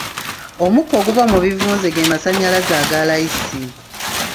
Omukka oguva mu bivunze ge masannyalaze aga layisi.